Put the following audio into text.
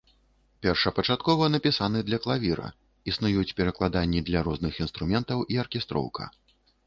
Першапачаткова напісаны для клавіра, існуюць перакладанні для розных інструментаў і аркестроўка.